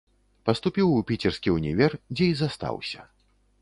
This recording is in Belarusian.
Паступіў у піцерскі ўнівер, дзе і застаўся.